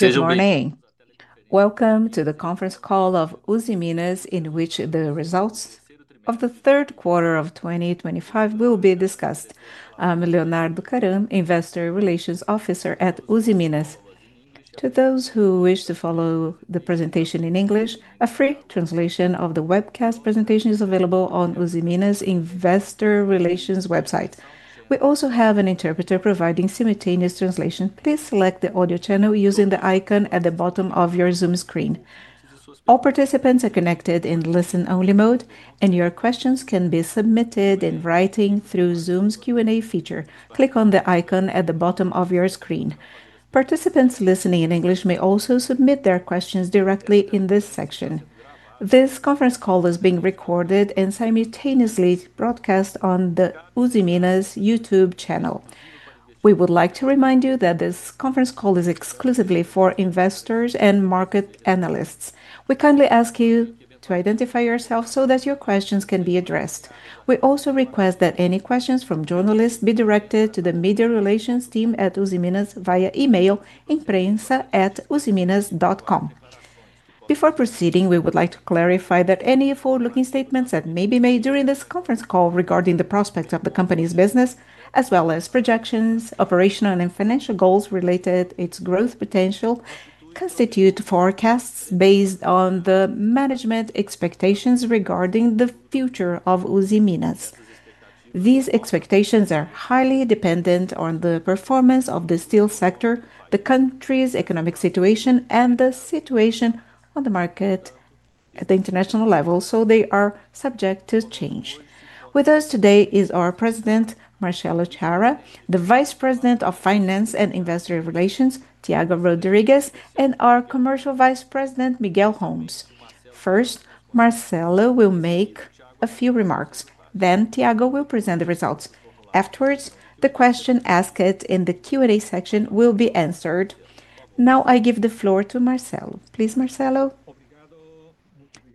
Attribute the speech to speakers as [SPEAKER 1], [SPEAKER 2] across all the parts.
[SPEAKER 1] Good morning. Welcome to the conference call of Usiminas in which the results of the third quarter of 2025 will be discussed. I'm Leonardo Karam, Investor Relations Officer at Usiminas. To those who wish to follow the presentation in English, a free translation of the webcast presentation is available on Usiminas' Investor Relations website. We also have an interpreter providing simultaneous translation. Please select the audio channel using the icon at the bottom of your Zoom screen. All participants are connected in listen-only mode, and your questions can be submitted in writing through Zoom's Q&A feature. Click on the icon at the bottom of your screen. Participants listening in English may also submit their questions directly in this section. This conference call is being recorded and simultaneously broadcast on the Usiminas' YouTube channel. We would like to remind you that this conference call is exclusively for investors and market analysts. We kindly ask you to identify yourself so that your questions can be addressed. We also request that any questions from journalists be directed to the Media Relations team at Usiminas via email at imprensa@usiminas.com. Before proceeding, we would like to clarify that any forward-looking statements that may be made during this conference call regarding the prospects of the company's business, as well as projections, operational and financial goals related to its growth potential, constitute forecasts based on the management's expectations regarding the future of Usiminas. These expectations are highly dependent on the performance of the steel sector, the country's economic situation, and the situation on the market at the international level, so they are subject to change. With us today are our President, Marcelo Chara, the Vice President of Finance and Investor Relations, Thiago Rodrigues, and our Commercial Vice President, Miguel Holmes. First, Marcelo will make a few remarks. Then, Thiago will present the results. Afterwards, the questions asked in the Q&A section will be answered. Now, I give the floor to Marcelo. Please, Marcelo.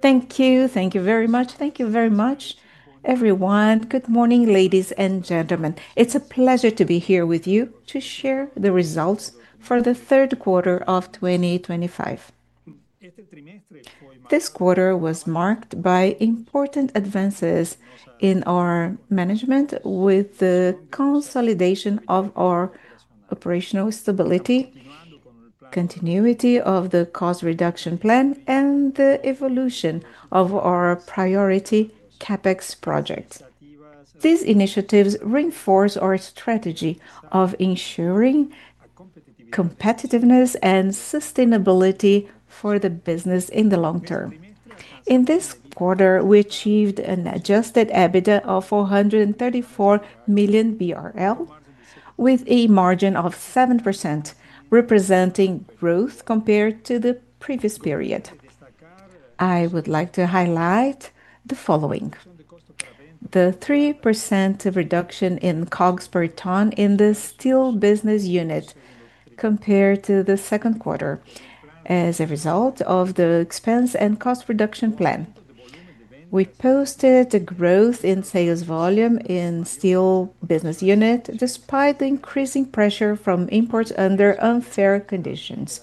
[SPEAKER 2] Thank you. Thank you very much. Thank you very much, everyone. Good morning, ladies and gentlemen. It's a pleasure to be here with you to share the results for the third quarter of 2025. This quarter was marked by important advances in our management, with the consolidation of our operational stability, continuity of the cost reduction plan, and the evolution of our priority CapEx project. These initiatives reinforce our strategy of ensuring competitiveness and sustainability for the business in the long term. In this quarter, we achieved an adjusted EBITDA of 434 million BRL, with a margin of 7%, representing growth compared to the previous period. I would like to highlight the following: the 3% reduction in COGS per ton in the steel business unit compared to the second quarter, as a result of the expense and cost reduction plan. We posted a growth in sales volume in the steel business unit, despite the increasing pressure from imports under unfair conditions.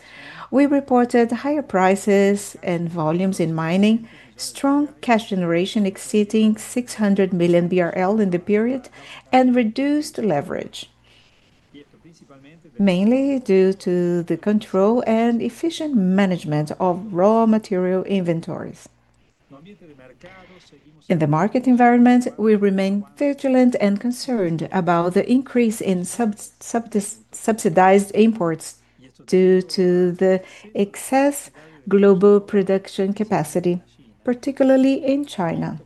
[SPEAKER 2] We reported higher prices and volumes in mining, strong cash generation exceeding 600 million BRL in the period, and reduced leverage, mainly due to the control and efficient management of raw material inventories. In the market environment, we remain vigilant and concerned about the increase in subsidized imports due to the excess global production capacity, particularly in China,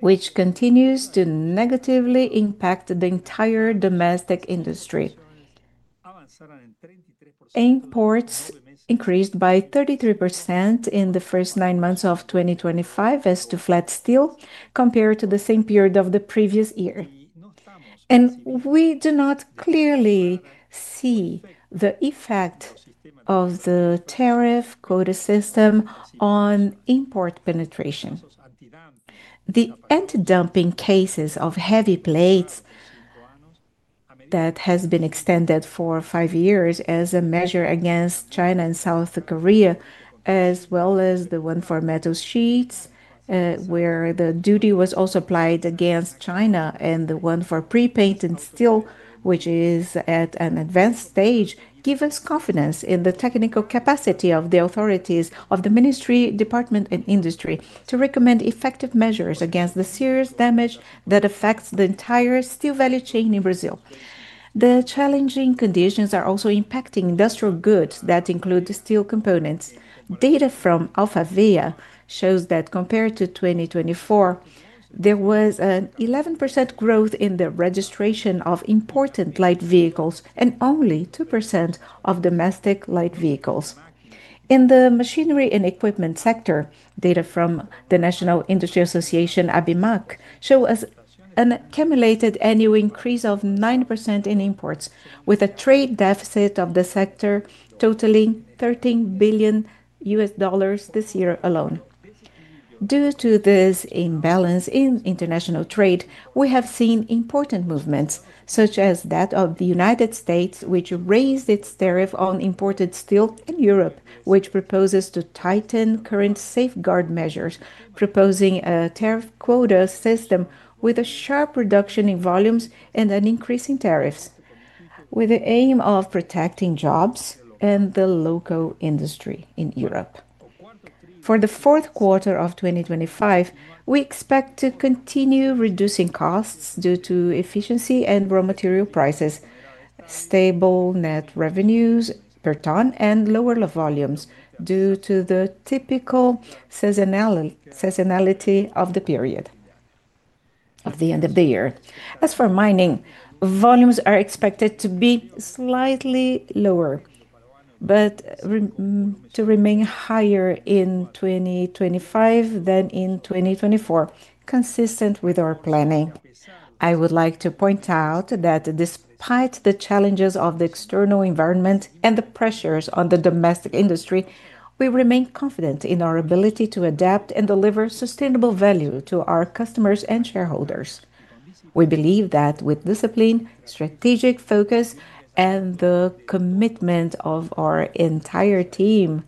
[SPEAKER 2] which continues to negatively impact the entire domestic industry. Imports increased by 33% in the first nine months of 2025 as to flat steel compared to the same period of the previous year. We do not clearly see the effect of the tariff quota system on import penetration. The antidumping cases of heavy plates that have been extended for five years as a measure against China and South Korea, as well as the one for metal sheets, where the duty was also applied against China, and the one for pre-painted steel, which is at an advanced stage, give us confidence in the technical capacity of the authorities of the Ministry of Development, Industry, Trade and Services to recommend effective measures against the serious damage that affects the entire steel value chain in Brazil. The challenging conditions are also impacting industrial goods that include steel components. Data from AlphaVia shows that compared to 2024, there was an 11% growth in the registration of imported light vehicles and only 2% of domestic light vehicles. In the machinery and equipment sector, data from the National Industry Association, ABIMAC, shows an accumulated annual increase of 9% in imports, with a trade deficit of the sector totaling $13 billion this year alone. Due to this imbalance in international trade, we have seen important movements, such as that of the United States, which raised its tariff on imported steel, and Europe, which proposes to tighten current safeguard measures, proposing a tariff quota system with a sharp reduction in volumes and an increase in tariffs, with the aim of protecting jobs and the local industry in Europe. For the fourth quarter of 2025, we expect to continue reducing costs due to efficiency and raw material prices, stable net revenues per ton, and lower volumes due to the typical seasonality of the period at the end of the year. As for mining, volumes are expected to be slightly lower but to remain higher in 2025 than in 2024, consistent with our planning. I would like to point out that despite the challenges of the external environment and the pressures on the domestic industry, we remain confident in our ability to adapt and deliver sustainable value to our customers and shareholders. We believe that with discipline, strategic focus, and the commitment of our entire team,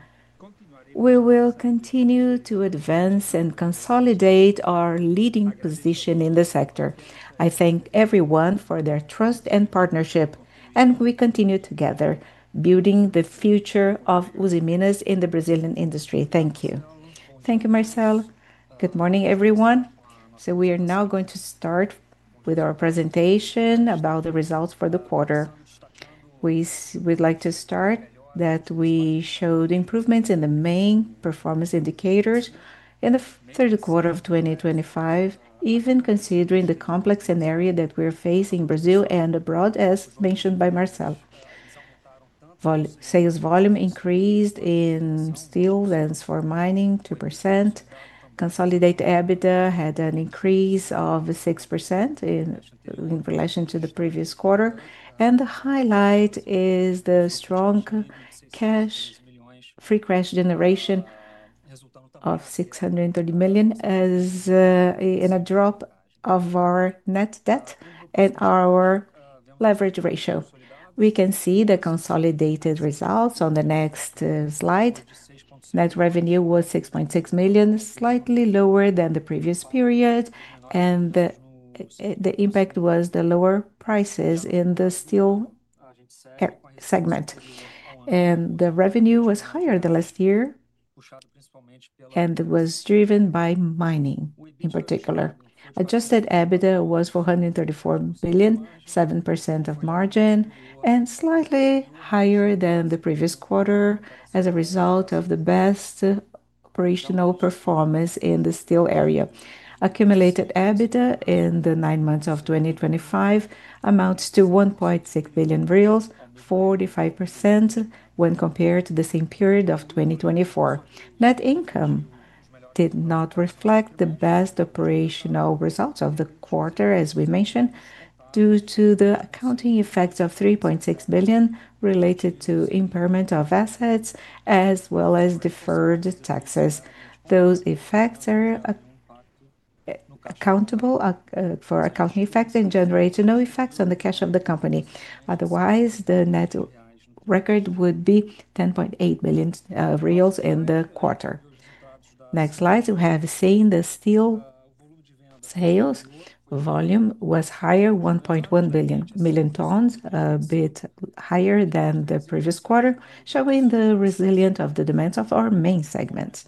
[SPEAKER 2] we will continue to advance and consolidate our leading position in the sector. I thank everyone for their trust and partnership, and we continue together building the future of Usiminas in the Brazilian industry. Thank you.
[SPEAKER 3] Thank you, Marcelo. Good morning, everyone. We are now going to start with our presentation about the results for the quarter. We would like to start that we showed improvements in the main performance indicators in the third quarter of 2025, even considering the complex scenario that we are facing in Brazil and abroad, as mentioned by Marcelo. Sales volume increased in steel and for mining 2%. Consolidated EBITDA had an increase of 6% in relation to the previous quarter, and the highlight is the strong free cash generation of 630 million, as in a drop of our net debt and our leverage ratio. We can see the consolidated results on the next slide. Net revenue was 6.6 billion, slightly lower than the previous period, and the impact was the lower prices in the steel segment. The revenue was higher than last year, and it was driven by mining in particular. Adjusted EBITDA was 434 million, 7% margin, and slightly higher than the previous quarter as a result of the best operational performance in the steel area. Accumulated EBITDA in the nine months of 2025 amounts to 1.6 billion reais, 45% when compared to the same period of 2024. Net income did not reflect the best operational results of the quarter, as we mentioned, due to the accounting effects of 3.6 billion related to impairment of assets, as well as deferred taxes. Those effects are accountable for accounting effects and generate no effects on the cash of the company. Otherwise, the net record would be 10.8 million reais in the quarter. Next slide. You have seen the steel sales volume was higher, 1.1 million tons, a bit higher than the previous quarter, showing the resilience of the demands of our main segments.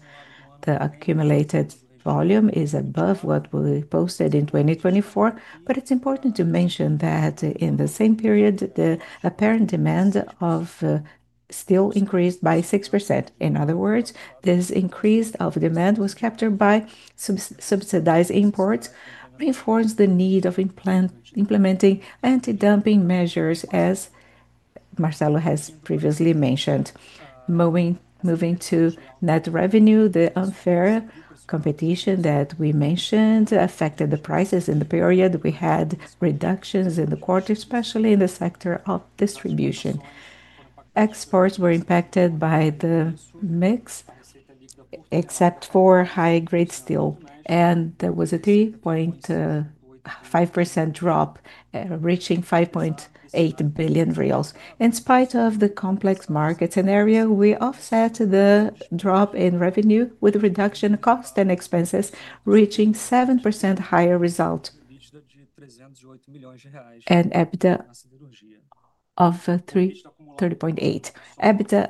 [SPEAKER 3] The accumulated volume is above what we posted in 2024, but it's important to mention that in the same period, the apparent demand of steel increased by 6%. In other words, this increase of demand was captured by subsidized imports, reinforcing the need of implementing antidumping measures, as Marcelo has previously mentioned. Moving to net revenue, the unfair competition that we mentioned affected the prices in the period. We had reductions in the quarter, especially in the sector of distribution. Exports were impacted by the mix, except for high-grade steel, and there was a 3.5% drop, reaching 5.8 billion reais. In spite of the complex market scenario, we offset the drop in revenue with a reduction in cost and expenses, reaching a 7% higher result, and EBITDA of 30.8%. EBITDA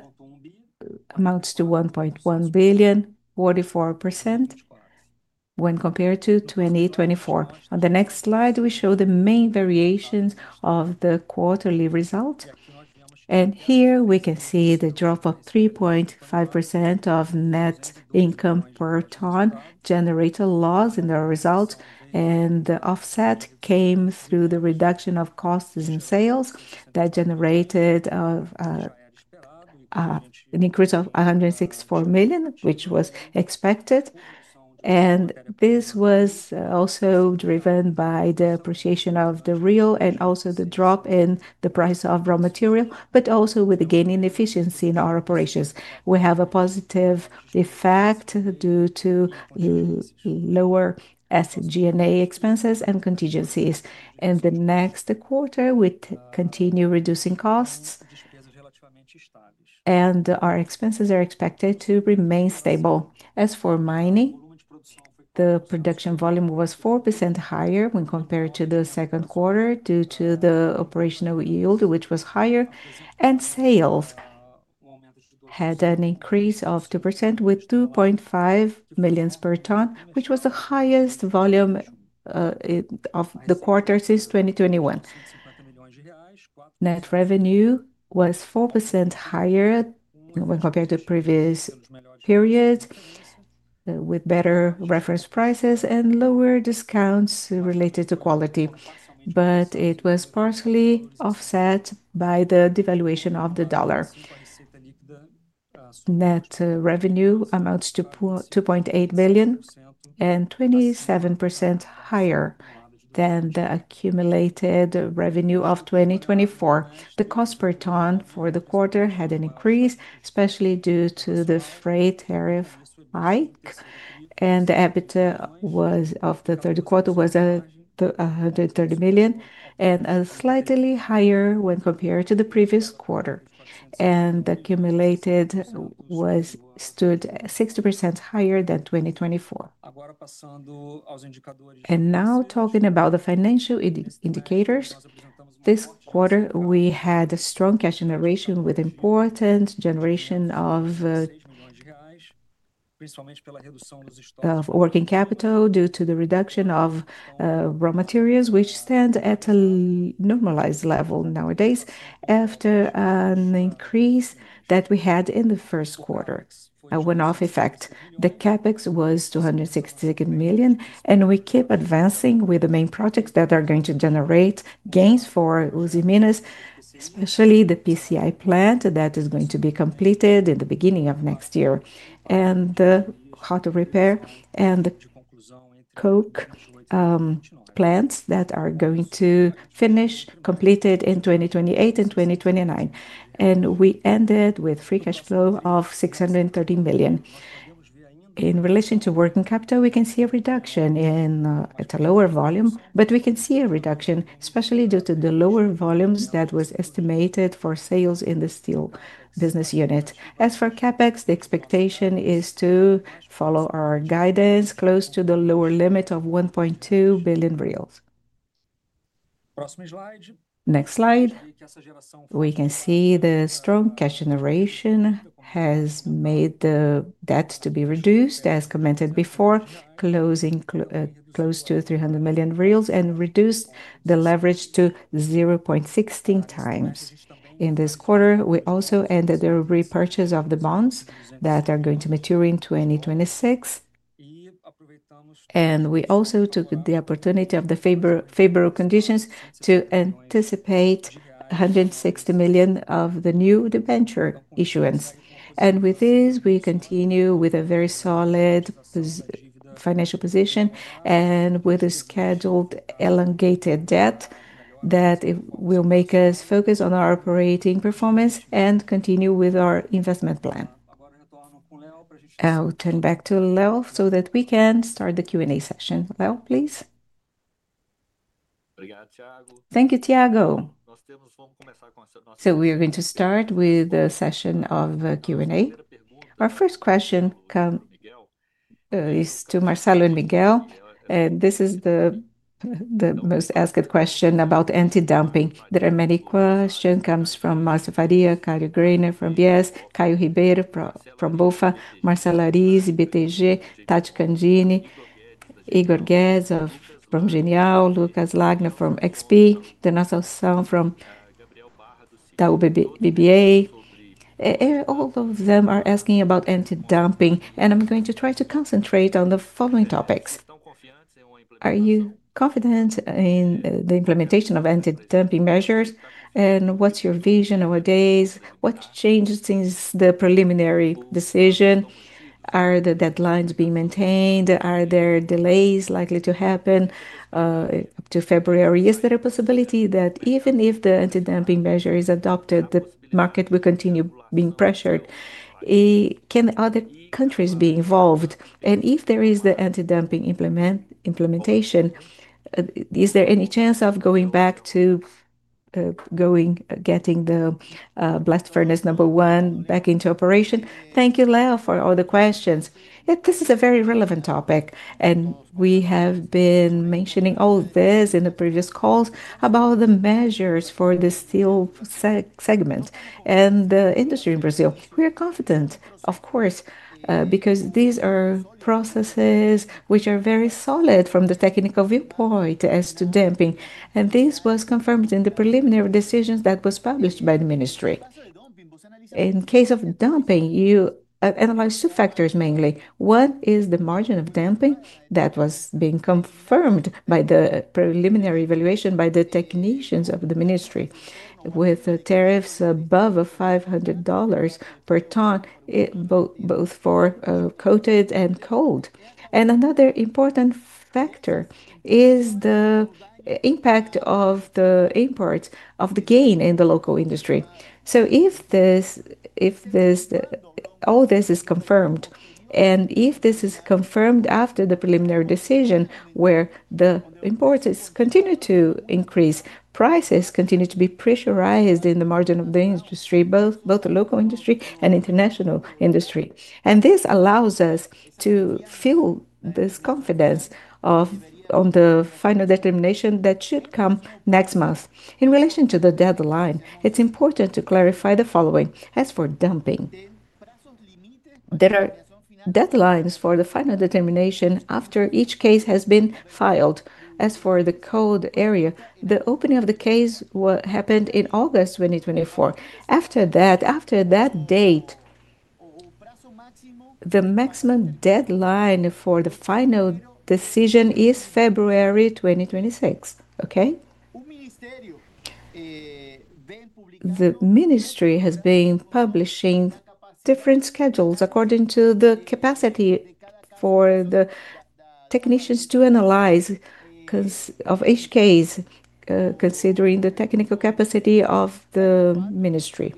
[SPEAKER 3] amounts to 1.1 billion, 44% when compared to 2024. On the next slide, we show the main variations of the quarterly result. Here we can see the drop of 3.5% of net income per ton generated loss in the result, and the offset came through the reduction of costs in sales that generated an increase of 164 million, which was expected. This was also driven by the appreciation of the real and also the drop in the price of raw material, but also with the gain in efficiency in our operations. We have a positive effect due to lower SG&A expenses and contingencies. In the next quarter, we continue reducing costs, and our expenses are expected to remain stable. As for mining, the production volume was 4% higher when compared to the second quarter due to the operational yield, which was higher, and sales had an increase of 2% with 2.5 million per ton, which was the highest volume of the quarter since 2021. Net revenue was 4% higher when compared to the previous period, with better reference prices and lower discounts related to quality, but it was partially offset by the devaluation of the dollar. Net revenue amounts to 2.8 billion and 27% higher than the accumulated revenue of 2024. The cost per ton for the quarter had an increase, especially due to the freight tariff hike, and the EBITDA of the third quarter was 130 million and slightly higher when compared to the previous quarter, and the accumulated was 60% higher than 2024. Now talking about the financial indicators, this quarter we had a strong cash generation with an important generation of working capital due to the reduction of raw materials, which stand at a normalized level nowadays after an increase that we had in the first quarter, a one-off effect. The CapEx was 266 million, and we keep advancing with the main projects that are going to generate gains for Usiminas, especially the PCI plant that is going to be completed in the beginning of next year, and the hot repair, and the coke plants that are going to be completed in 2028 and 2029. We ended with free cash flow of 630 million. In relation to working capital, we can see a reduction at a lower volume, but we can see a reduction, especially due to the lower volumes that were estimated for sales in the steel business unit. As for CapEx, the expectation is to follow our guidance close to the lower limit of 1.2 billion reais. Next slide. We can see the strong cash generation has made the debt to be reduced, as commented before, closing close to 300 million and reduced the leverage to 0.16x. In this quarter, we also ended the repurchase of the bonds that are going to mature in 2026, and we also took the opportunity of the favorable conditions to anticipate 160 million of the new debenture issuance. With this, we continue with a very solid financial position and with a scheduled elongated debt that will make us focus on our operating performance and continue with our investment plan. I'll turn back to Leo so that we can start the Q&A session. Leo, please.
[SPEAKER 1] Thank you, Thiago. We are going to start with the session of Q&A. Our first question is to Marcelo and Miguel, and this is the most asked question about antidumping. There are many questions coming from Marcelo Faria, Caio Greiner from UBS, Caio Ribeiro from BofA, [Marcelo Rizi] BTG, Tati Candini, Igor Guedes from Genial, Lucas Lagnar from XP, Dana Salsão from Taub BBA. All of them are asking about antidumping, and I'm going to try to concentrate on the following topics. Are you confident in the implementation of antidumping measures? What's your vision nowadays? What changes since the preliminary decision? Are the deadlines being maintained? Are there delays likely to happen up to February? Is there a possibility that even if the antidumping measure is adopted, the market will continue being pressured? Can other countries be involved? If there is the antidumping implementation, is there any chance of going back to getting the blast furnace number one back into operation?
[SPEAKER 2] Thank you, Leo, for all the questions. This is a very relevant topic, and we have been mentioning all of this in the previous calls about the measures for the steel segment and the industry in Brazil. We are confident, of course, because these are processes which are very solid from the technical viewpoint as to dumping. This was confirmed in the preliminary decisions that were published by the Ministry. In the case of dumping, you analyze two factors mainly. One is the margin of dumping that was being confirmed by the preliminary evaluation by the technicians of the Ministry, with tariffs above $500 per ton, both for coated and coaled. Another important factor is the impact of the imports of the gain in the local industry. If all this is confirmed, and if this is confirmed after the preliminary decision where the imports continue to increase, prices continue to be pressurized in the margin of the industry, both the local industry and international industry. This allows us to feel this confidence on the final determination that should come next month. In relation to the deadline, it's important to clarify the following. As for dumping, there are deadlines for the final determination after each case has been filed. As for the coal area, the opening of the case happened in August 2024. After that date, the maximum deadline for the final decision is February 2026. The Ministry of Development, Industry, Trade and Services has been publishing different schedules according to the capacity for the technicians to analyze each case, considering the technical capacity of the Ministry.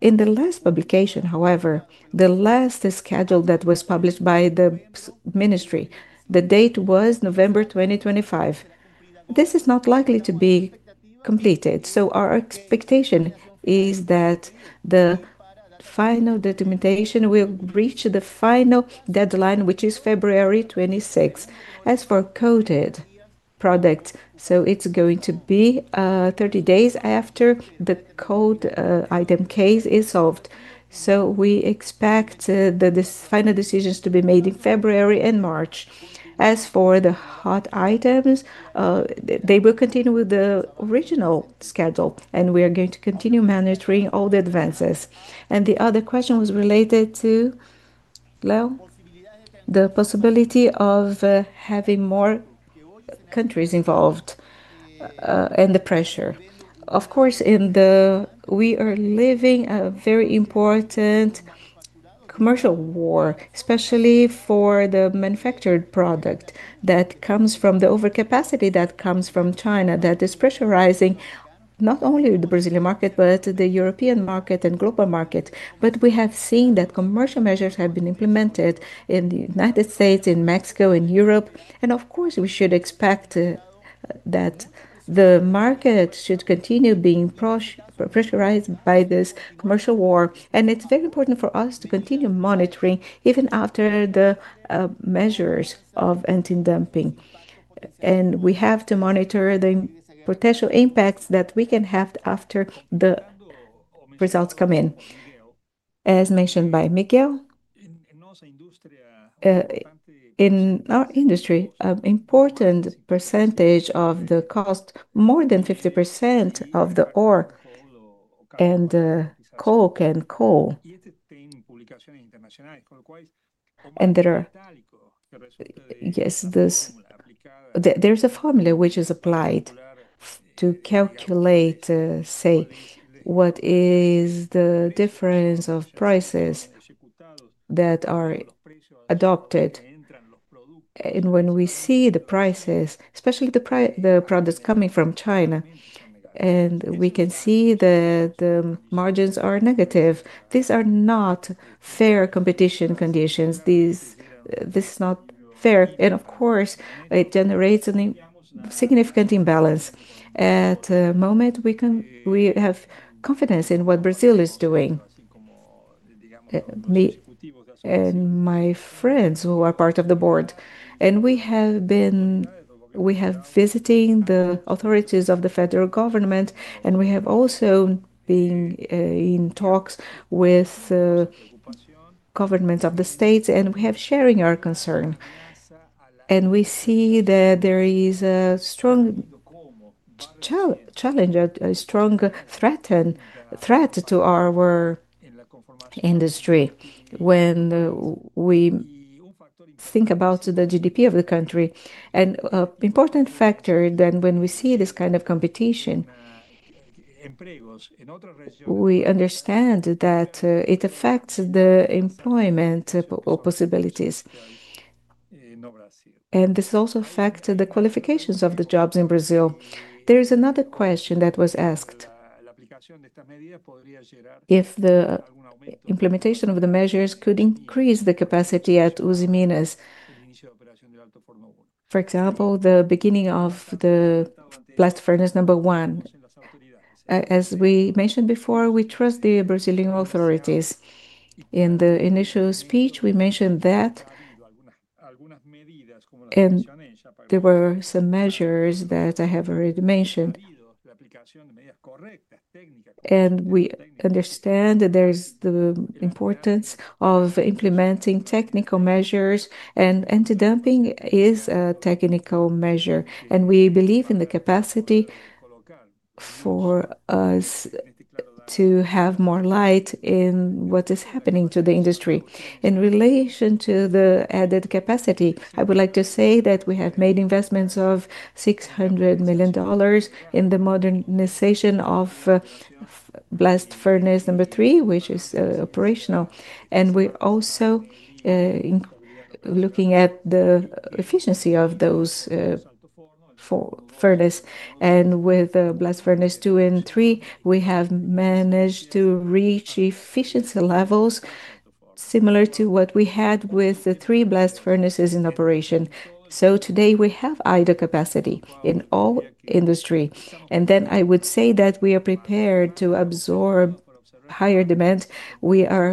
[SPEAKER 2] In the last publication, however, the last schedule that was published by the Ministry, the date was November 2025. This is not likely to be completed. Our expectation is that the final documentation will reach the final deadline, which is February 26. As for coated products, it's going to be 30 days after the coat item case is solved. We expect the final decisions to be made in February and March. As for the hot items, they will continue with the original schedule, and we are going to continue monitoring all the advances. The other question was related to, Leo, the possibility of having more countries involved and the pressure. Of course, we are living a very important commercial war, especially for the manufactured product that comes from the overcapacity that comes from China that is pressurizing not only the Brazilian market, but the European market and global market. We have seen that commercial measures have been implemented in the United States, in Mexico, in Europe. We should expect that the market should continue being pressurized by this commercial war. It's very important for us to continue monitoring even after the measures of antidumping. We have to monitor the potential impacts that we can have after the results come in. As mentioned by Miguel, in our industry, an important percentage of the cost, more than 50% of the ore, and coke, and coal. Yes, there is a formula which is applied to calculate, say, what is the difference of prices that are adopted. When we see the prices, especially the products coming from China, and we can see that the margins are negative, these are not fair competition conditions. This is not fair. It generates a significant imbalance. At the moment, we have confidence in what Brazil is doing, me and my friends who are part of the board. We have been visiting the authorities of the federal government, and we have also been in talks with the governments of the states, and we are sharing our concern. We see that there is a strong challenge, a strong threat to our industry. When we think about the GDP of the country, an important factor, then when we see this kind of competition, we understand that it affects the employment possibilities. This also affects the qualifications of the jobs in Brazil. There is another question that was asked. If the implementation of the measures could increase the capacity at Usiminas, for example, the beginning of the blast furnace number one. As we mentioned before, we trust the Brazilian authorities. In the initial speech, we mentioned that there were some measures that I have already mentioned. We understand there is the importance of implementing technical measures, and antidumping is a technical measure. We believe in the capacity for us to have more light in what is happening to the industry. In relation to the added capacity, I would like to say that we have made investments of $600 million in the modernization of blast furnace number three, which is operational. We're also looking at the efficiency of those furnaces. With blast furnace two and three, we have managed to reach efficiency levels similar to what we had with the three blast furnaces in operation. Today we have idle capacity in all industry. I would say that we are prepared to absorb higher demand. We are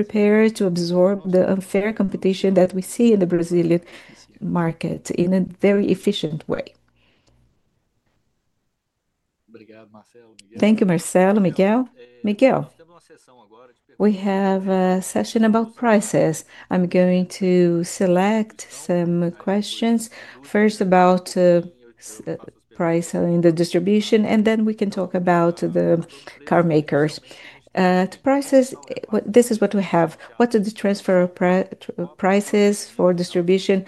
[SPEAKER 2] prepared to absorb the unfair competition that we see in the Brazilian market in a very efficient way.
[SPEAKER 1] Thank you, Marcelo. Miguel? Miguel? We have a session about prices. I'm going to select some questions. First, about pricing in the distribution, and then we can talk about the car makers. This is what we have. What are the transfer prices for distribution?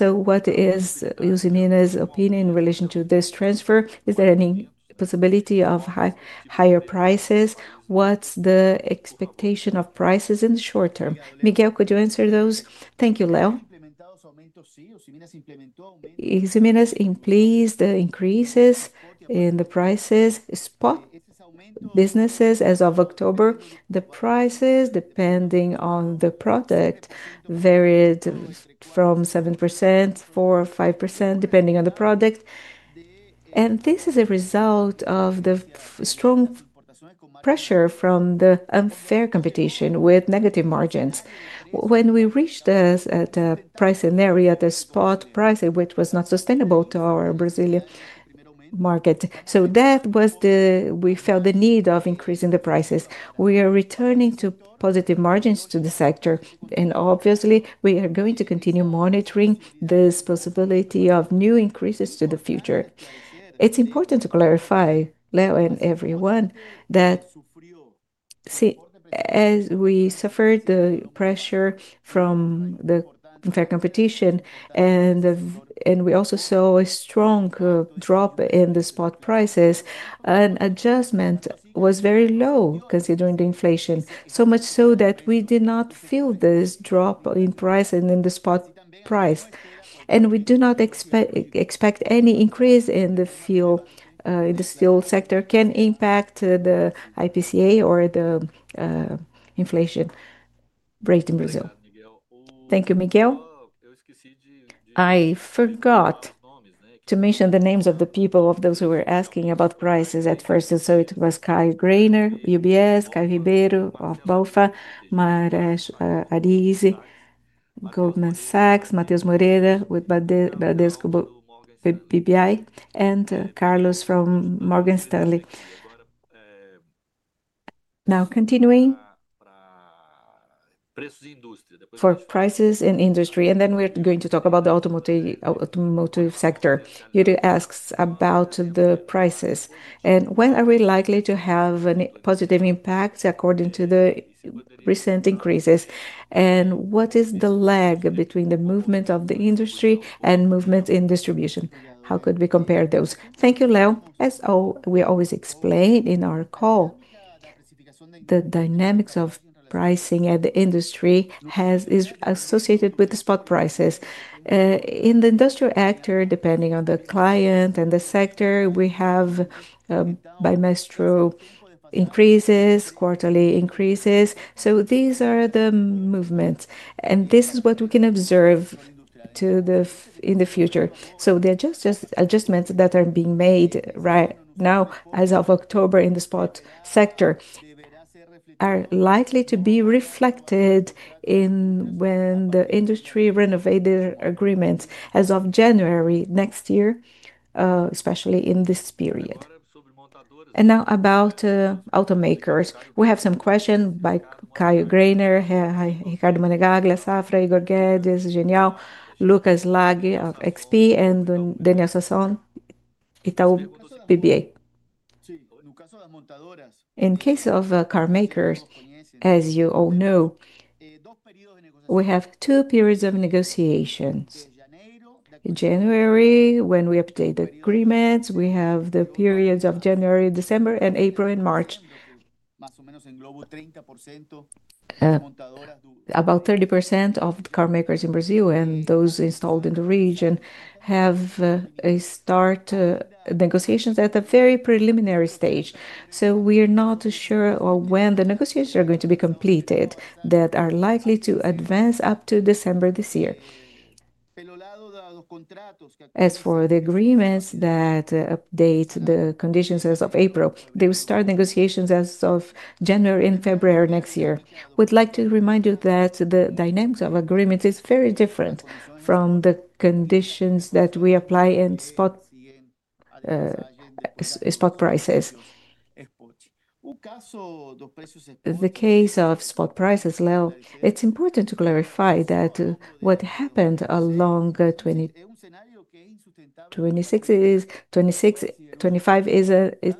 [SPEAKER 1] What is Usiminas' opinion in relation to this transfer? Is there any possibility of higher prices? What's the expectation of prices in the short term? Miguel, could you answer those?
[SPEAKER 4] Thank you, Leo. Usiminas increases in the prices spot businesses as of October. The prices, depending on the product, varied from 7% to 4% or 5%, depending on the product. This is a result of the strong pressure from the unfair competition with negative margins. When we reached this price scenario, the spot pricing was not sustainable to our Brazilian market. That was the reason we felt the need of increasing the prices. We are returning to positive margins to the sector. Obviously, we are going to continue monitoring this possibility of new increases to the future. It's important to clarify, Leo and everyone, that as we suffered the pressure from the unfair competition, and we also saw a strong drop in the spot prices, an adjustment was very low considering the inflation. So much so that we did not feel this drop in price and in the spot price. We do not expect any increase in the steel sector can impact the IPCA or the inflation rate in Brazil.
[SPEAKER 1] Thank you, Miguel. I forgot to mention the names of the people, of those who were asking about prices at first. It was Caio Greiner, UBS, Caio Ribeiro of BOFA, [Mares Arisi], Goldman Sachs, Matheus Moreira with Bradesco BPI, and Carlos from Morgan Stanley. Now, continuing for prices in industry, and then we're going to talk about the automotive sector. Yuri asks about the prices. When are we likely to have a positive impact according to the recent increases? What is the lag between the movement of the industry and movement in distribution? How could we compare those?
[SPEAKER 4] Thank you, Leo. As we always explain in our call, the dynamics of pricing at the industry are associated with the spot prices. In the industrial sector, depending on the client and the sector, we have bimestral increases, quarterly increases. These are the movements. This is what we can observe in the future. The adjustments that are being made right now, as of October, in the spot sector are likely to be reflected in when the industry renovated agreements as of January next year, especially in this period. Now about automakers.
[SPEAKER 1] We have some questions by Caio Greiner, Ricardo Monegal, Glassafra, Igor Guedes, Genial, Lucas Lahi of XP, and Daniel Sasson de Itaú BBA.
[SPEAKER 4] In case of car makers, as you all know, we have two periods of negotiation. In January, when we update the agreements, we have the periods of January, December, and April, and March. About 30% of car makers in Brazil and those installed in the region have started negotiations at a very preliminary stage. We are not sure when the negotiations are going to be completed that are likely to advance up to December this year. As for the agreements that update the conditions as of April, they will start negotiations as of January and February next year. We'd like to remind you that the dynamics of agreements are very different from the conditions that we apply in spot prices. In the case of spot prices, Leo, it's important to clarify that what happened along 26 is 25 is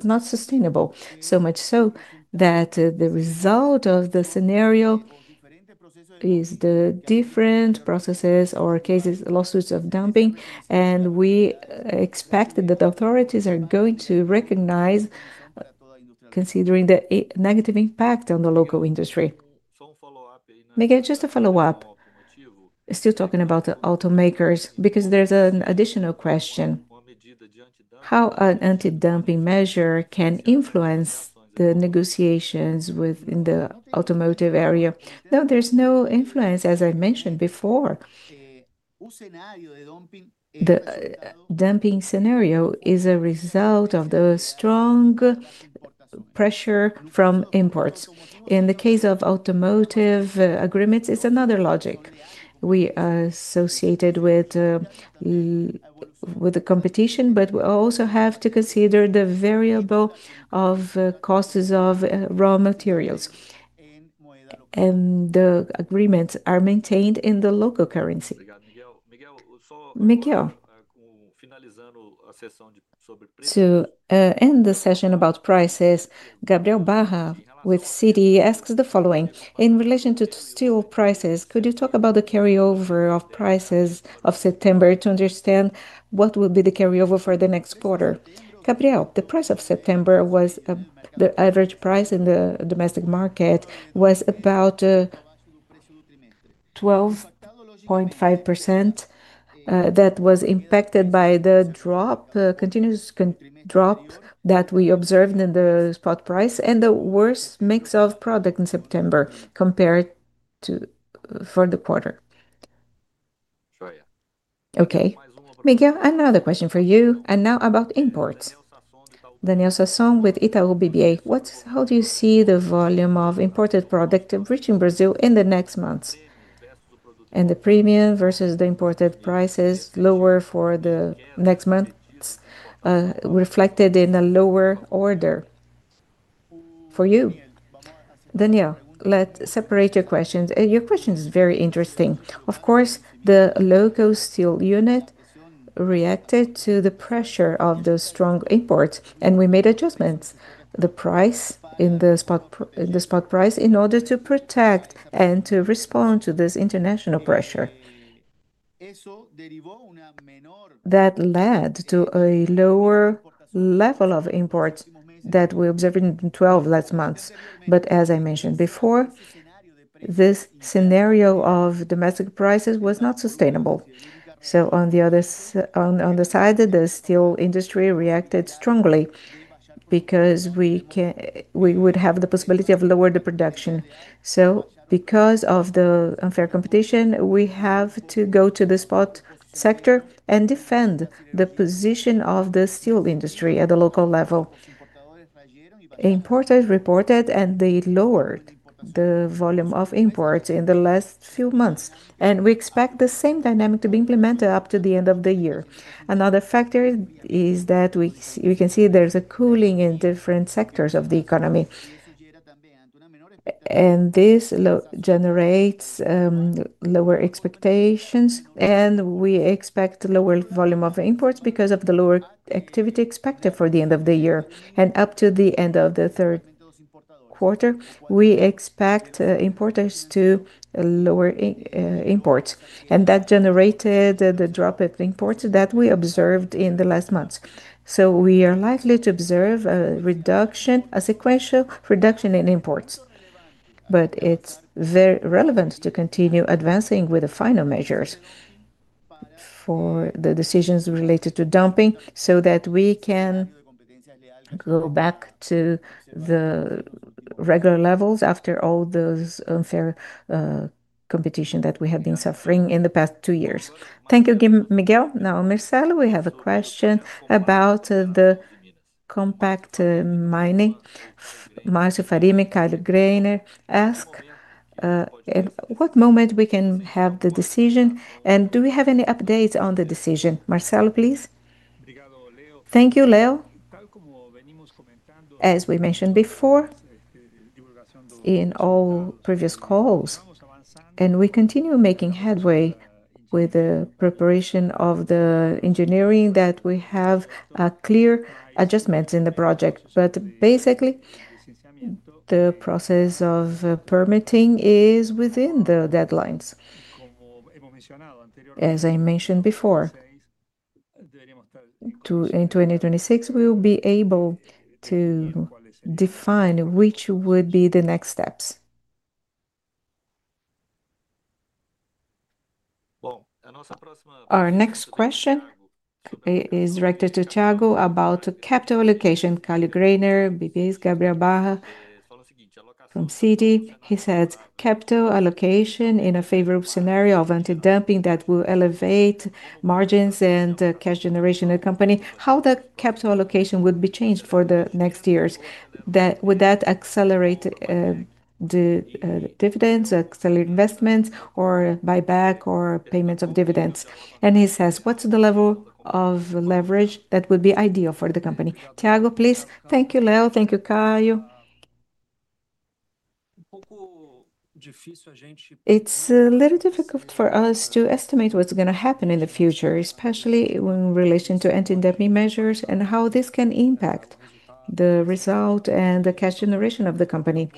[SPEAKER 4] not sustainable. The result of the scenario is the different processes or cases, lawsuits of dumping. We expect that the authorities are going to recognize considering the negative impact on the local industry. Miguel, just a follow-up. Still talking about the automakers, because there's an additional question. How can an antidumping measure influence the negotiations within the automotive area? No, there's no influence, as I mentioned before. The dumping scenario is a result of the strong pressure from imports. In the case of automotive agreements, it's another logic. We are associated with the competition, but we also have to consider the variable of costs of raw materials. The agreements are maintained in the local currency.
[SPEAKER 1] Miguel, to end the session about prices, Gabriel Barra with Citi asks the following. In relation to steel prices, could you talk about the carryover of prices of September to understand what will be the carryover for the next quarter?
[SPEAKER 4] Gabriel, the price of September was the average price in the domestic market, was about 12.5%. That was impacted by the continuous drop that we observed in the spot price and the worst mix of products in September compared to the quarter.
[SPEAKER 1] Miguel, I have another question for you, now about imports. Daniel Sasson with Itaú BBA. How do you see the volume of imported products reaching Brazil in the next months? The premium versus the imported prices lower for the next months reflected in a lower order for you.
[SPEAKER 4] Daniel, let's separate your questions. Your question is very interesting. Of course, the local steel unit reacted to the pressure of the strong imports, and we made adjustments in the spot price in order to protect and to respond to this international pressure. That led to a lower level of imports that we observed in the last 12 months. As I mentioned before, this scenario of domestic prices was not sustainable. On the other side, the steel industry reacted strongly because we would have the possibility of lowering the production. Because of the unfair competition, we have to go to the spot sector and defend the position of the steel industry at the local level. Importers reported and they lowered the volume of imports in the last few months. We expect the same dynamic to be implemented up to the end of the year. Another factor is that we can see there's a cooling in different sectors of the economy. This generates lower expectations, and we expect lower volume of imports because of the lower activity expected for the end of the year. Up to the end of the third quarter, we expect importers to lower imports. That generated the drop of imports that we observed in the last months. We are likely to observe a sequential reduction in imports. It's very relevant to continue advancing with the final measures for the decisions related to dumping so that we can go back to the regular levels after all those unfair competitions that we have been suffering in the past two years.
[SPEAKER 1] Thank you, Miguel. Now, Marcelo, we have a question about the compact mining. Marcelo Farina, Caio Greiner asked at what moment we can have the decision, and do we have any updates on the decision? Marcelo, please.
[SPEAKER 2] Thank you, Leo. As we mentioned before in all previous calls, we continue making headway with the preparation of the engineering that we have clear adjustments in the project. Basically, the process of permitting is within the deadlines. As I mentioned before, in 2026, we will be able to define which would be the next steps.
[SPEAKER 1] Our next question is directed to Thiago about capital allocation. Caio Greiner, BBS, Gabriel Barra from Citi, he says, "Capital allocation in a favorable scenario of antidumping that will elevate margins and cash generation in the company. How the capital allocation would be changed for the next years? Would that accelerate the dividends, accelerate investments, or buyback, or payments of dividends?" He says, "What's the level of leverage that would be ideal for the company?" Thiago, please.
[SPEAKER 3] Thank you, Leo. Thank you, Caio. It's a little difficult for us to estimate what's going to happen in the future, especially in relation to antidumping measures and how this can impact the result and the cash generation of the company.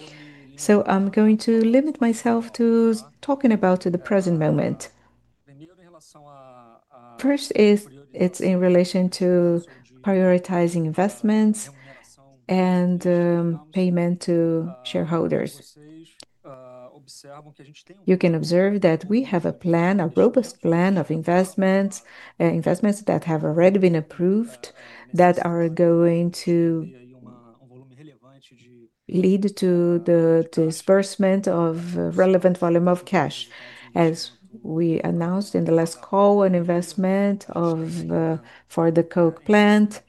[SPEAKER 3] I'm going to limit myself to talking about the present moment. First, it's in relation to prioritizing investments and payment to shareholders. You can observe that we have a plan, a robust plan of investments that have already been approved that are going to lead to the disbursement of relevant volume of cash. As we announced in the last call, an investment for the coke plant.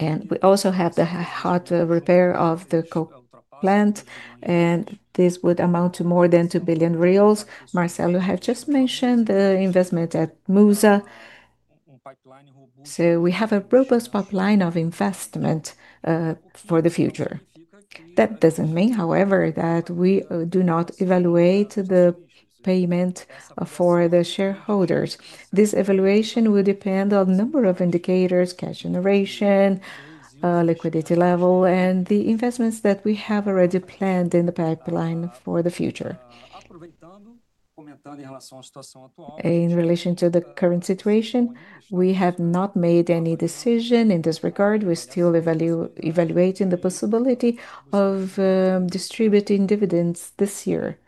[SPEAKER 3] We also have the hot repair of the coke plant, and this would amount to more than 2 billion reais. Marcelo, you have just mentioned the investment at MUSA. We have a robust pipeline of investment for the future. That doesn't mean, however, that we do not evaluate the payment for the shareholders. This evaluation will depend on a number of indicators: cash generation, liquidity level, and the investments that we have already planned in the pipeline for the future. In relation to the current situation, we have not made any decision in this regard. We're still evaluating the possibility of distributing dividends this year.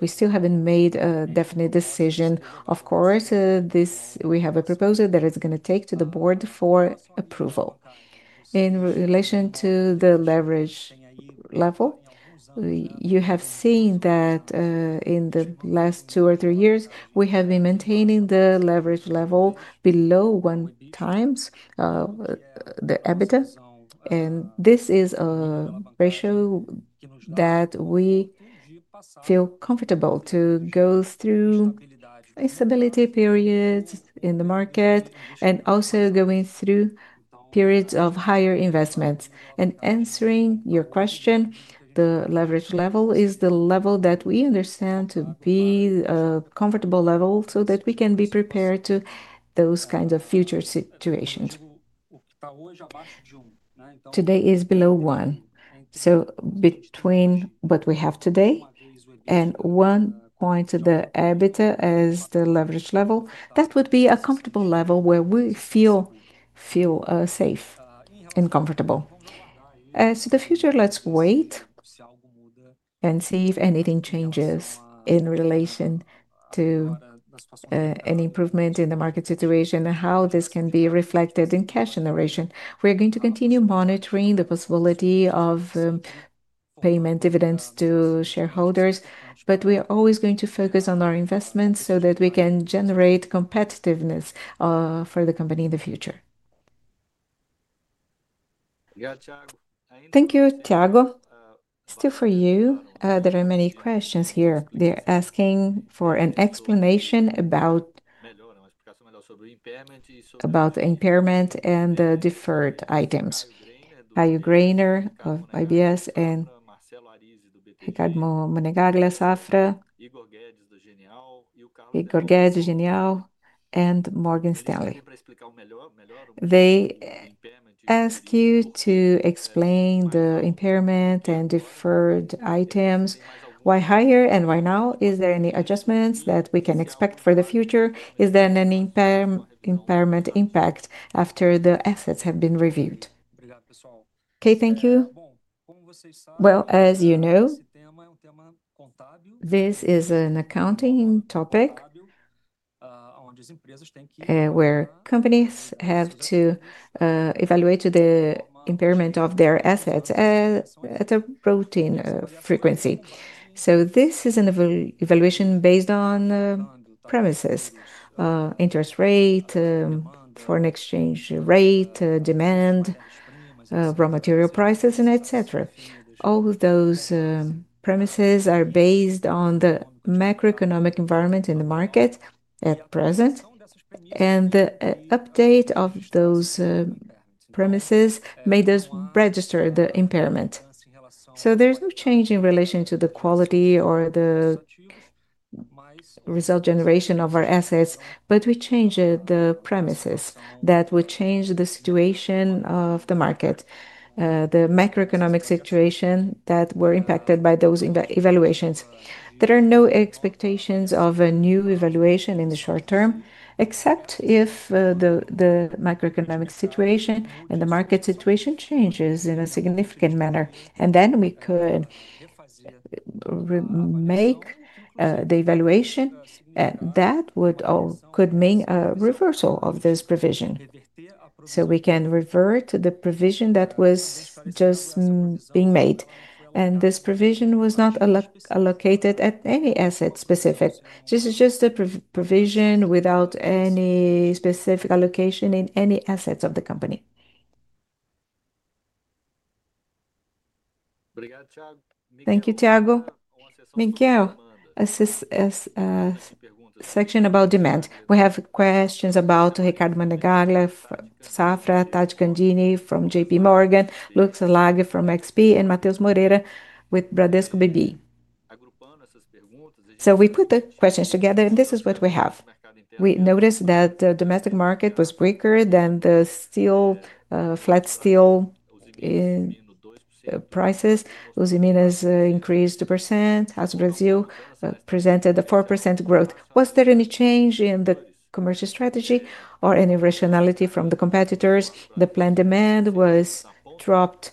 [SPEAKER 3] We still haven't made a definite decision. Of course, we have a proposal that is going to take to the board for approval. In relation to the leverage level, you have seen that in the last two or three years, we have been maintaining the leverage level below 1x the EBITDA. This is a ratio that we feel comfortable to go through stability periods in the market and also going through periods of higher investments. Answering your question, the leverage level is the level that we understand to be a comfortable level so that we can be prepared for those kinds of future situations. Today is below one. Between what we have today and 1.0 to the EBITDA as the leverage level, that would be a comfortable level where we feel safe and comfortable. As to the future, let's wait and see if anything changes in relation to any improvement in the market situation and how this can be reflected in cash generation. We are going to continue monitoring the possibility of payment dividends to shareholders, but we are always going to focus on our investments so that we can generate competitiveness for the company in the future.
[SPEAKER 1] Thank you, Thiago. Still for you, there are many questions here. They're asking for an explanation about impairment and deferred items. Caio Greiner of IBS and Ricardo Monegal, Glassafra, Igor Guedes do Genial, and Morgan Stanley. They ask you to explain the impairment and deferred items. Why higher and why now? Is there any adjustment that we can expect for the future? Is there any impairment impact after the assets have been reviewed?
[SPEAKER 3] Thank you. As you know, this is an accounting topic where companies have to evaluate the impairment of their assets at a routine frequency. This is an evaluation based on premises: interest rate, foreign exchange rate, demand, raw material prices, etc. All of those premises are based on the macroeconomic environment in the market at present, and the update of those premises made us register the impairment. There is no change in relation to the quality or the result generation of our assets, but we changed the premises that would change the situation of the market, the macroeconomic situation that were impacted by those evaluations. There are no expectations of a new evaluation in the short term, except if the macroeconomic situation and the market situation changes in a significant manner. Then we could make the evaluation, and that could mean a reversal of this provision. We can revert to the provision that was just being made. This provision was not allocated at any asset specific. This is just a provision without any specific allocation in any assets of the company.
[SPEAKER 1] Thank you, Thiago. Miguel, a section about demand. We have questions about Ricardo Monegal, Glassafra, Tath Candini from JPMorgan, Lucas Laghi from XP, and Mateus Moreira with Bradesco BBA. We put the questions together, and this is what we have. We noticed that the domestic market was weaker than the flat steel prices. Usiminas increased 2%. House Brazil presented a 4% growth. Was there any change in the commercial strategy or any rationality from the competitors? The planned demand was dropped,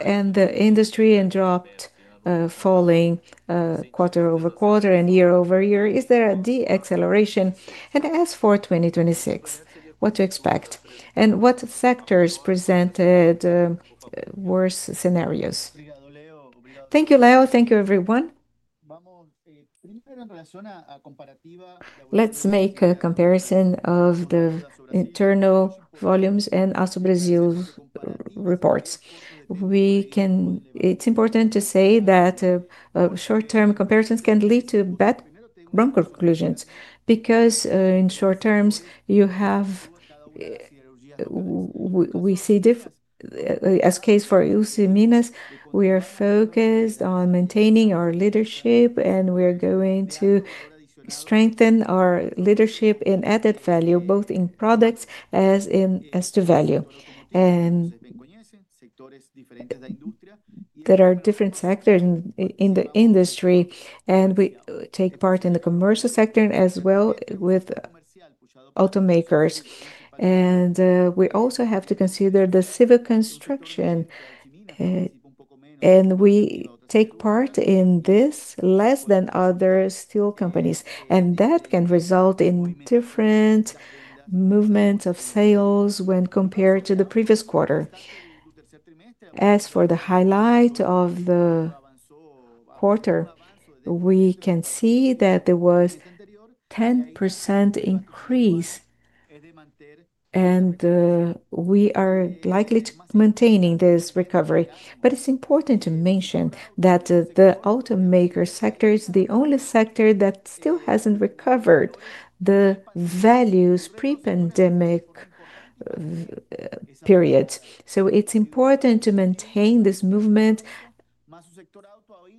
[SPEAKER 1] and the industry dropped falling quarter over quarter and year over year. Is there a de-acceleration? As for 2026, what to expect? What sectors presented worse scenarios?
[SPEAKER 4] Thank you, Leo. Thank you, everyone. Let's make a comparison of the internal volumes and House of Brazil reports. It's important to say that short-term comparisons can lead to bad conclusions because in short terms, we see as a case for Usiminas, we are focused on maintaining our leadership, and we are going to strengthen our leadership in added value, both in products as in as to value. There are different sectors in the industry, and we take part in the commercial sector as well with automakers. We also have to consider the civil construction, and we take part in this less than other steel companies. That can result in different movements of sales when compared to the previous quarter. As for the highlight of the quarter, we can see that there was a 10% increase, and we are likely to be maintaining this recovery. It's important to mention that the automaker sector is the only sector that still hasn't recovered the values pre-pandemic periods. It's important to maintain this movement,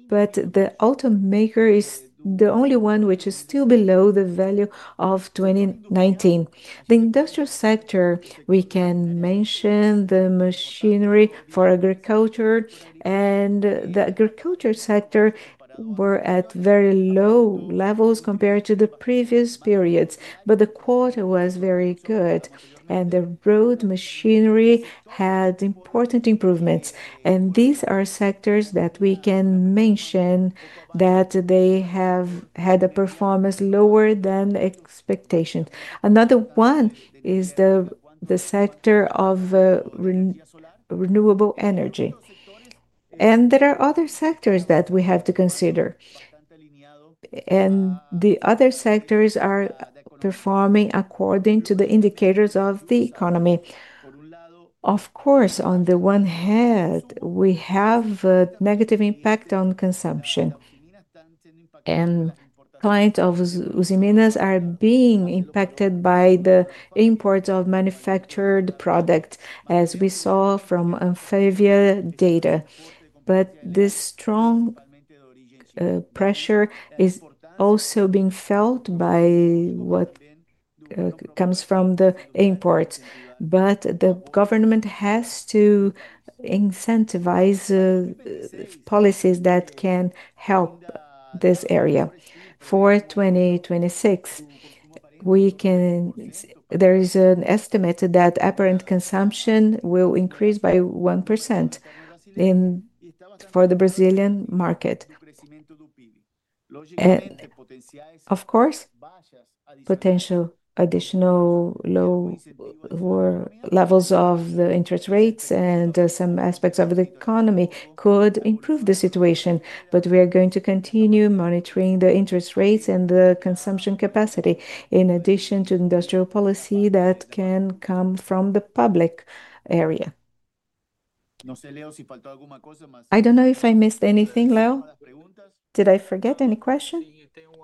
[SPEAKER 4] but the automaker is the only one which is still below the value of 2019. The industrial sector, we can mention the machinery for agriculture, and the agriculture sector were at very low levels compared to the previous periods. The quota was very good, and the road machinery had important improvements. These are sectors that we can mention that have had a performance lower than expectations. Another one is the sector of renewable energy. There are other sectors that we have to consider. The other sectors are performing according to the indicators of the economy. Of course, on the one hand, we have a negative impact on consumption. Clients of Usiminas are being impacted by the imports of manufactured products, as we saw from FABIA data. This strong pressure is also being felt by what comes from the imports. The government has to incentivize policies that can help this area. For 2026, there is an estimate that apparent consumption will increase by 1% for the Brazilian market. Of course, potential additional lower levels of the interest rates and some aspects of the economy could improve the situation. We are going to continue monitoring the interest rates and the consumption capacity in addition to industrial policy that can come from the public area. I don't know if I missed anything, Leo. Did I forget any question?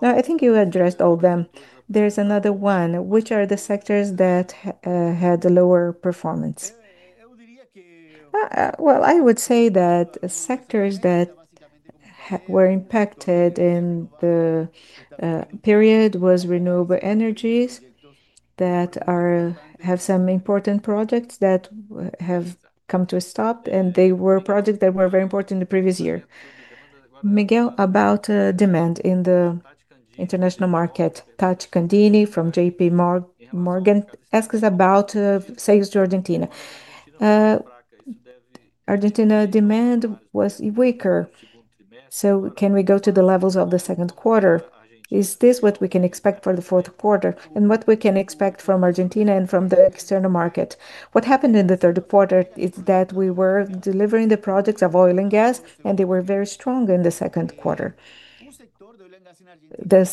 [SPEAKER 1] No, I think you addressed all of them. There is another one. Which are the sectors that had lower performance?
[SPEAKER 4] I would say that sectors that were impacted in the period were renewable energies that have some important projects that have come to a stop, and they were projects that were very important in the previous year.
[SPEAKER 1] Miguel, about demand in the international market. Tath Candini from JPMorgan asks about sales to Argentina.
[SPEAKER 4] Argentina demand was weaker. Can we go to the levels of the second quarter? Is this what we can expect for the fourth quarter and what we can expect from Argentina and from the external market? What happened in the third quarter is that we were delivering the projects of oil and gas, and they were very strong in the second quarter. The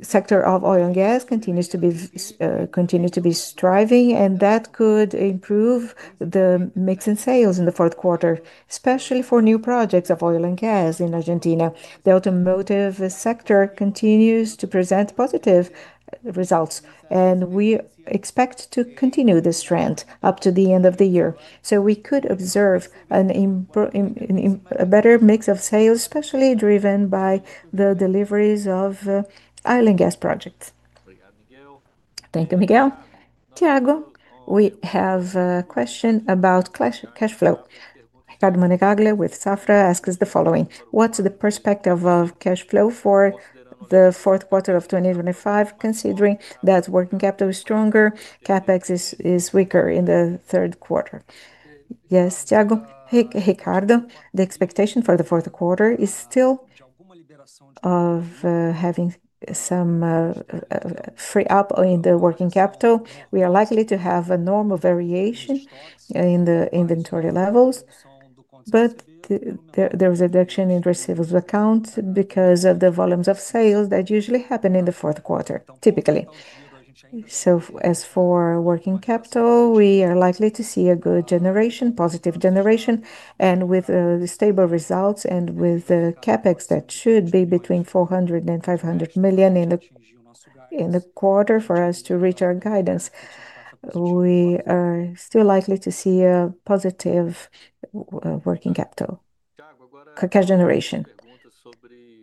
[SPEAKER 4] sector of oil and gas continues to be striving, and that could improve the mix in sales in the fourth quarter, especially for new projects of oil and gas in Argentina. The automotive sector continues to present positive results, and we expect to continue this trend up to the end of the year. We could observe a better mix of sales, especially driven by the deliveries of oil and gas projects.
[SPEAKER 1] Thank you, Miguel. Thiago, we have a question about cash flow. Ricardo Monegal with Safra asks the following. What's the perspective of cash flow for the fourth quarter of 2025, considering that working capital is stronger, CapEx is weaker in the third quarter? Yes, Thiago.
[SPEAKER 3] Ricardo, the expectation for the fourth quarter is still of having some free up in the working capital. We are likely to have a normal variation in the inventory levels, but there is a reduction in receivables accounts because of the volumes of sales that usually happen in the fourth quarter, typically. As for working capital, we are likely to see a good generation, positive generation, and with stable results and with CapEx that should be between 400 million and 500 million in the quarter for us to reach our guidance. We are still likely to see a positive working capital. Cash generation.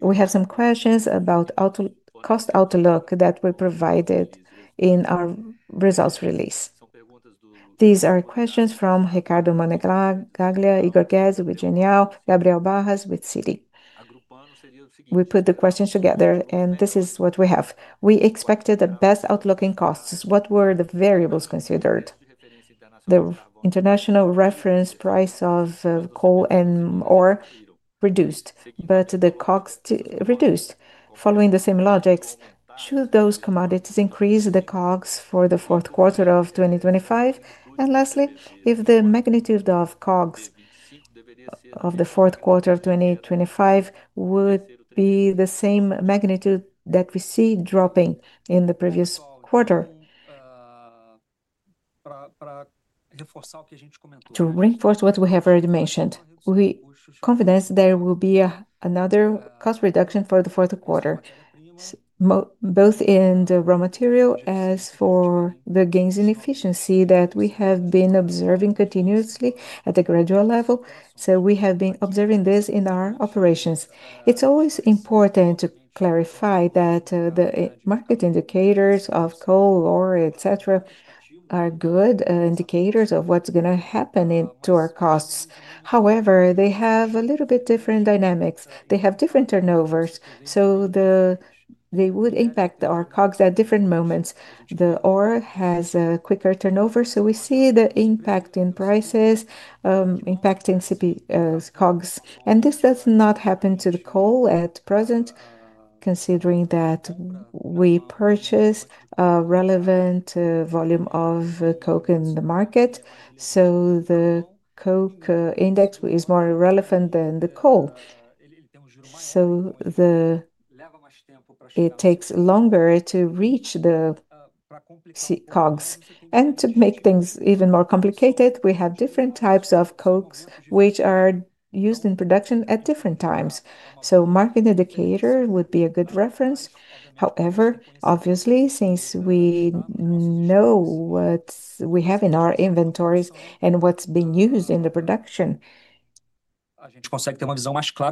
[SPEAKER 1] We have some questions about cost outlook that were provided in our results release. These are questions from Ricardo Monegal, Igor Guedes with Genial, Gabriel Barras with Citi. We put the questions together, and this is what we have. We expected the best outlook in costs. What were the variables considered? The international reference price of coal and ore reduced, but the COGS reduced. Following the same logics, should those commodities increase the COGS for the fourth quarter of 2025? Lastly, if the magnitude of COGS of the fourth quarter of 2025 would be the same magnitude that we see dropping in the previous quarter?
[SPEAKER 3] To reinforce what we have already mentioned, we are confident there will be another cost reduction for the fourth quarter, both in the raw material as for the gains in efficiency that we have been observing continuously at a gradual level. We have been observing this in our operations. It's always important to clarify that the market indicators of coal, ore, etc., are good indicators of what's going to happen to our costs. However, they have a little bit different dynamics. They have different turnovers. They would impact our COGS at different moments. The ore has a quicker turnover, so we see the impact in prices impacting COGS. This does not happen to the coal at present, considering that we purchase a relevant volume of coke in the market. The coke index is more relevant than the coal. It takes longer to reach the COGS. To make things even more complicated, we have different types of cokes which are used in production at different times. Market indicator would be a good reference. However, obviously, since we know what we have in our inventories and what's being used in the production,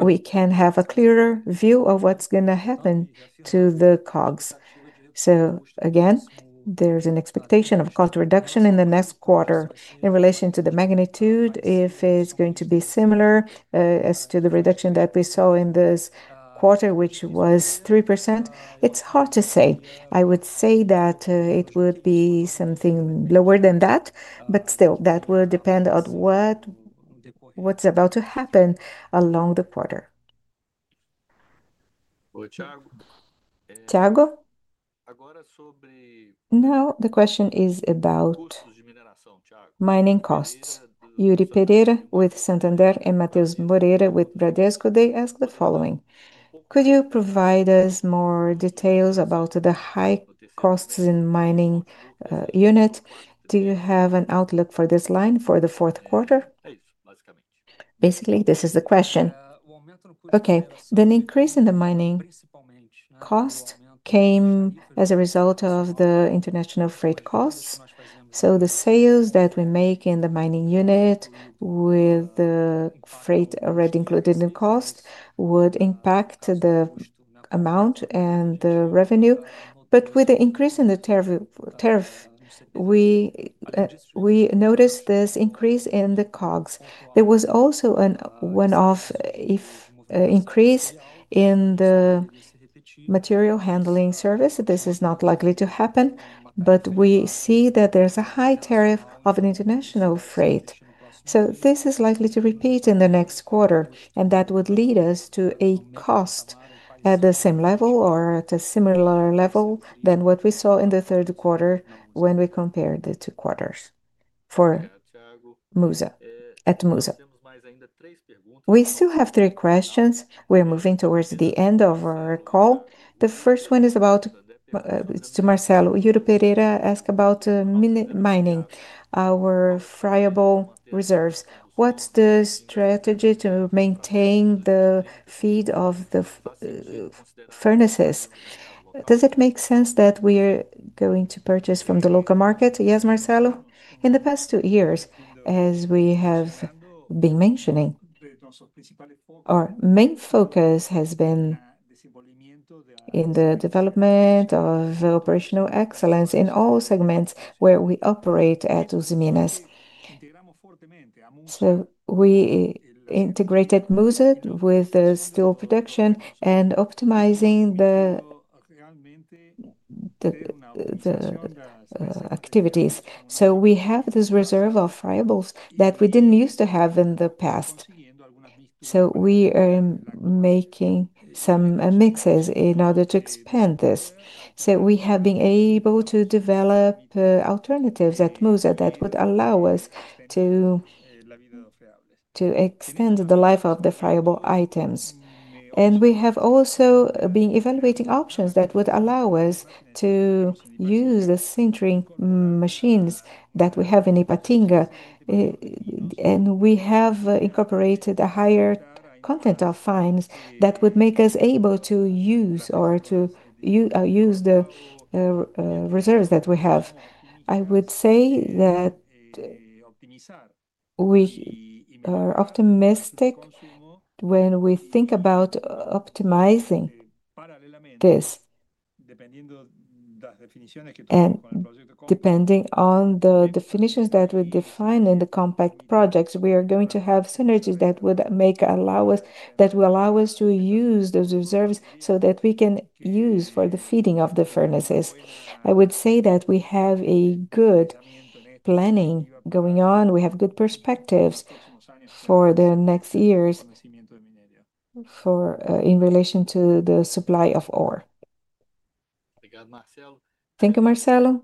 [SPEAKER 3] we can have a clearer view of what's going to happen to the COGS. Again, there's an expectation of a cost reduction in the next quarter. In relation to the magnitude, if it's going to be similar as to the reduction that we saw in this quarter, which was 3%, it's hard to say. I would say that it would be something lower than that, but still, that would depend on what's about to happen along the quarter.
[SPEAKER 1] Thiago? Now, the question is about mining costs. Yuri Pereira with Santander and Mateus Moreira with Bradesco, they ask the following. Could you provide us more details about the high costs in mining unit? Do you have an outlook for this line for the fourth quarter? Basically, this is the question.
[SPEAKER 3] Okay. The increase in the mining cost came as a result of the international freight costs. The sales that we make in the mining unit with the freight already included in cost would impact the amount and the revenue. With the increase in the tariff, we noticed this increase in the COGS. There was also a one-off increase in the material handling service. This is not likely to happen, but we see that there's a high tariff of an international freight. This is likely to repeat in the next quarter, and that would lead us to a cost at the same level or at a similar level than what we saw in the third quarter when we compared the two quarters for at MUSA.
[SPEAKER 1] We still have three questions. We're moving towards the end of our call. The first one is about, it's to Marcelo. Yuri Pereira asks about mining, our friable reserves. What's the strategy to maintain the feed of the furnaces? Does it make sense that we are going to purchase from the local market? Yes, Marcelo.
[SPEAKER 2] In the past two years, as we have been mentioning, our main focus has been in the development of operational excellence in all segments where we operate at Usiminas. We integrated MUSA with the steel production and optimizing the activities. We have this reserve of friables that we didn't use to have in the past. We are making some mixes in order to expand this. We have been able to develop alternatives at MUSA that would allow us to extend the life of the friable items. We have also been evaluating options that would allow us to use the sintering machines that we have in Ipatinga. We have incorporated a higher content of fines that would make us able to use or to use the reserves that we have. I would say that we are optimistic when we think about optimizing this. Depending on the definitions that we define in the compact projects, we are going to have synergies that will allow us to use those reserves so that we can use for the feeding of the furnaces. I would say that we have a good planning going on. We have good perspectives for the next years in relation to the supply of ore.
[SPEAKER 1] Thank you, Marcelo.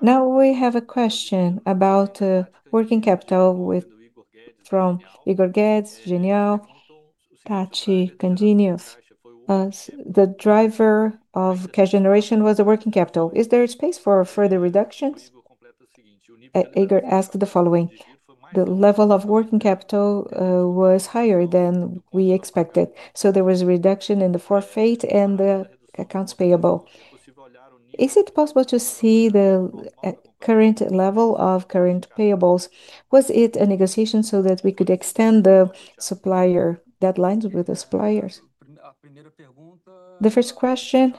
[SPEAKER 1] Now, we have a question about working capital from Igor Guedes, Genial, Tath Candini. The driver of cash generation was the working capital. Is there a space for further reductions? Igor asked the following. The level of working capital was higher than we expected. There was a reduction in the forfeit and the accounts payable. Is it possible to see the current level of current payables? Was it a negotiation so that we could extend the supplier deadlines with the suppliers?
[SPEAKER 3] The first question,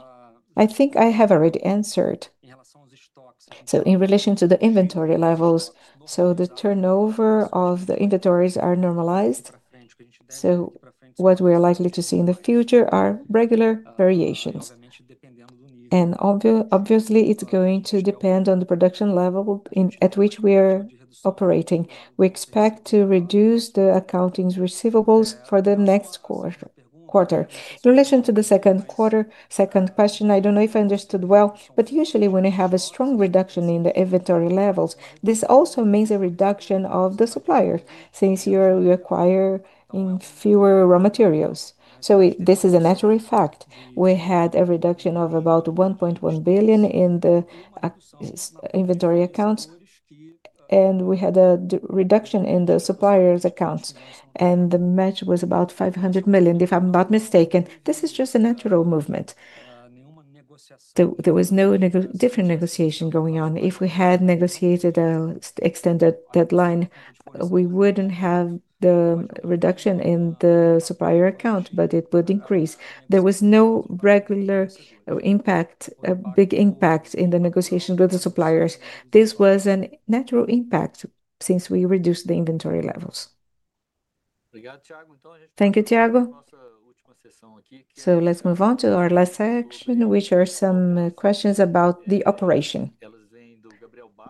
[SPEAKER 3] I think I have already answered. In relation to the inventory levels, the turnover of the inventories are normalized. What we are likely to see in the future are regular variations. Obviously, it's going to depend on the production level at which we are operating. We expect to reduce the accounts receivables for the next quarter. In relation to the second question, I don't know if I understood well, but usually, when we have a strong reduction in the inventory levels, this also means a reduction of the suppliers since you are requiring fewer raw materials. This is a natural fact. We had a reduction of about 1.1 billion in the inventory accounts, and we had a reduction in the suppliers' accounts. The match was about 500 million, if I'm not mistaken. This is just a natural movement. There was no different negotiation going on. If we had negotiated an extended deadline, we wouldn't have the reduction in the supplier account, but it would increase. There was no regular impact, a big impact in the negotiation with the suppliers. This was a natural impact since we reduced the inventory levels.
[SPEAKER 1] Thank you, Thiago. Let's move on to our last section, which are some questions about the operation.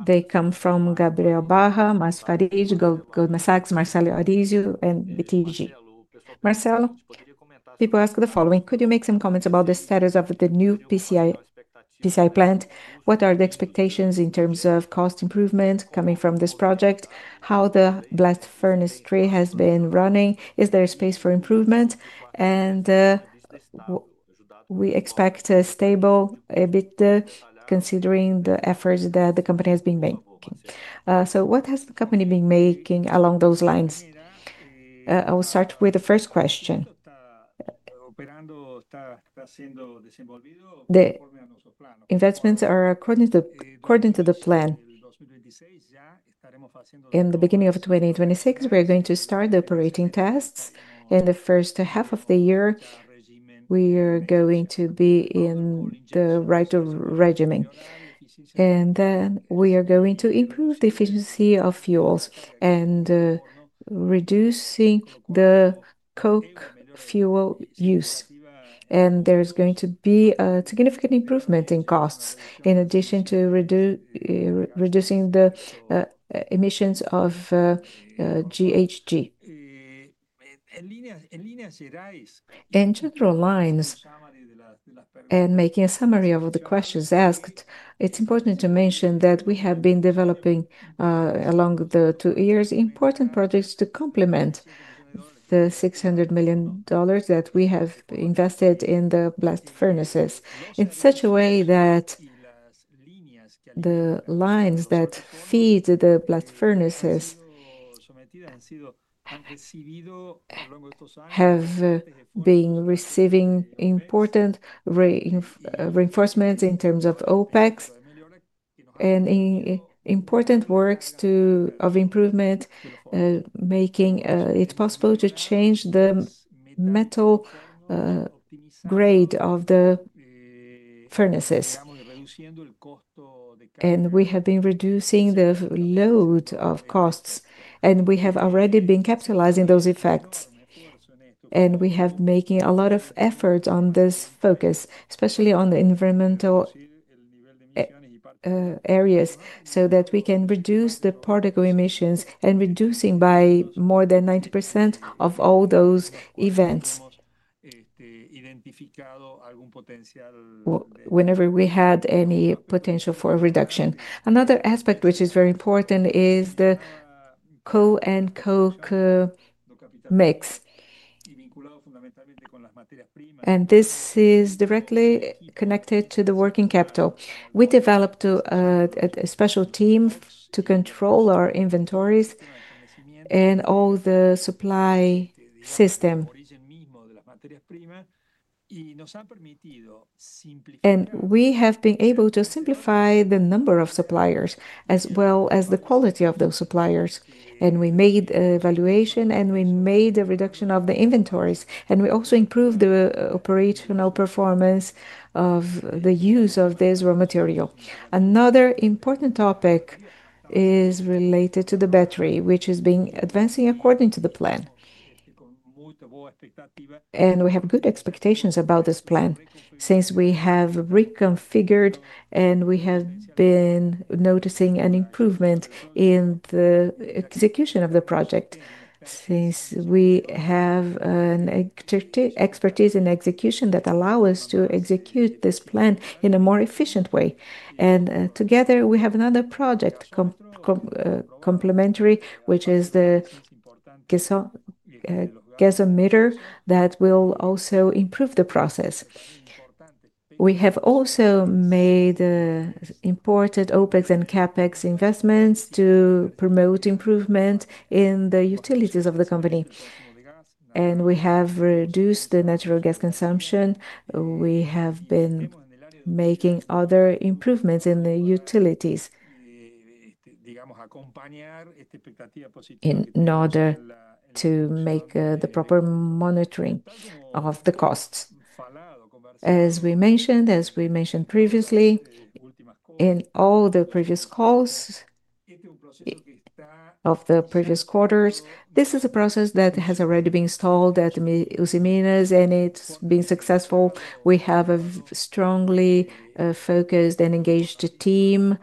[SPEAKER 1] They come from Gabriel Barra, Mats Farid, Goda Sags, Marcelo Arisio, and Vitigi. Marcelo, people ask the following. Could you make some comments about the status of the new PCI plant? What are the expectations in terms of cost improvement coming from this project? How the blast furnace three has been running? Is there a space for improvement? We expect a stable EBITDA considering the efforts that the company has been making. What has the company been making along those lines?
[SPEAKER 2] I will start with the first question. Investments are according to the plan. In the beginning of 2026, we are going to start the operating tests. In the first half of the year, we are going to be in the right of regimen. We are going to improve the efficiency of fuels and reducing the coke fuel use. There is going to be a significant improvement in costs in addition to reducing the emissions of GHG. In general lines, and making a summary of the questions asked, it's important to mention that we have been developing along the two years important projects to complement the $600 million that we have invested in the blast furnaces in such a way that the lines that feed the blast furnaces have been receiving important reinforcements in terms of OpEx and in important works of improvement, making it possible to change the metal grade of the furnaces. We have been reducing the load of costs, and we have already been capitalizing those effects. We have been making a lot of efforts on this focus, especially on the environmental areas so that we can reduce the particle emissions and reduce them by more than 90% of all those events whenever we had any potential for a reduction. Another aspect which is very important is the coal and coke mix. This is directly connected to the working capital. We developed a special team to control our inventories and all the supply system. We have been able to simplify the number of suppliers as well as the quality of those suppliers. We made evaluation, and we made a reduction of the inventories, and we also improved the operational performance of the use of this raw material. Another important topic is related to the battery, which is advancing according to the plan. We have good expectations about this plan since we have reconfigured and we have been noticing an improvement in the execution of the project since we have an expertise in execution that allows us to execute this plan in a more efficient way. Together, we have another project complementary, which is the gasometer that will also improve the process. We have also made important OpEx and CapEx investments to promote improvement in the utilities of the company. We have reduced the natural gas consumption. We have been making other improvements in the utilities. Now, to make the proper monitoring of the costs. As we mentioned previously, in all the previous calls of the previous quarters, this is a process that has already been installed at Usiminas and it's been successful. We have a strongly focused and engaged team.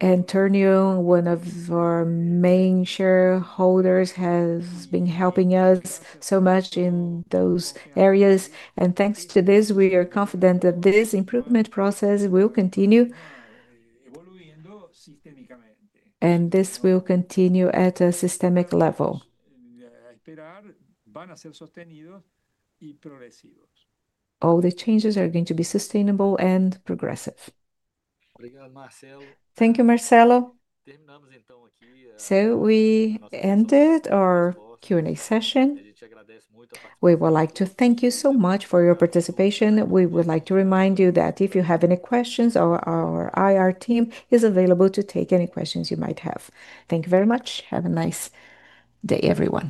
[SPEAKER 2] One of our main shareholders has been helping us so much in those areas, and thanks to this, we are confident that this improvement process will continue. This will continue at a systemic level. All the changes are going to be sustainable and progressive.
[SPEAKER 1] Thank you, Marcelo. We would like to thank you so much for your participation. We would like to remind you that if you have any questions, our IR team is available to take any questions you might have. Thank you very much. Have a nice day, everyone.